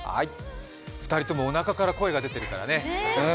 ２人ともおなかから声が出てるのよね。